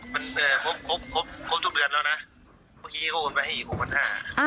มันครบครบครบครบทุกเดือนแล้วนะเมื่อกี้ก็โอนไปให้อีกหกพันห้า